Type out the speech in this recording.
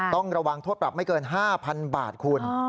ต้องระวังโทษปรับไม่เกิน๕๐๐๐บาทคุณ